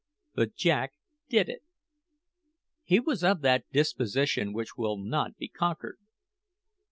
But Jack did it. He was of that disposition which will not be conquered.